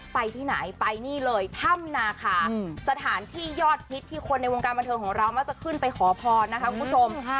ไปที่ไหนไปนี่เลยถ้ำนาคาสถานที่ยอดฮิตที่คนในวงการบันเทิงของเรามักจะขึ้นไปขอพรนะคะคุณผู้ชม